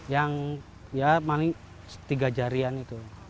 yang ya paling tiga jarian itu